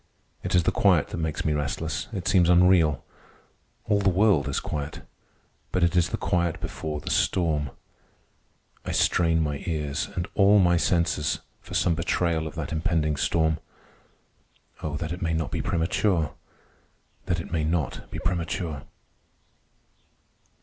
It is the quiet that makes me restless. It seems unreal. All the world is quiet, but it is the quiet before the storm. I strain my ears, and all my senses, for some betrayal of that impending storm. Oh, that it may not be premature! That it may not be premature!